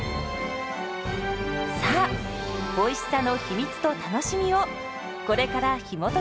さあおいしさの秘密と楽しみをこれからひもときましょう。